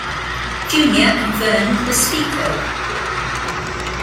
Junior and Verne Lestico.